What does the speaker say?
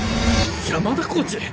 ⁉山田コーチ！